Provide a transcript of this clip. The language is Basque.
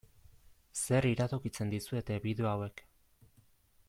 Zer iradokitzen dizuete bideo hauek?